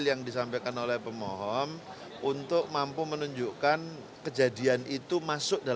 yang ditetapkan mk